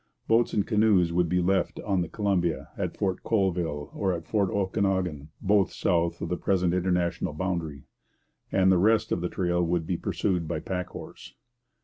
Boats and canoes would be left on the Columbia at Fort Colville or at Fort Okanagan (both south of the present international boundary), and the rest of the trail would be pursued by pack horse.